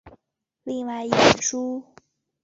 另外一本书。